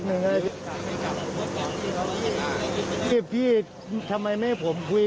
เมื่อวานเขาว่าอะไรครับพี่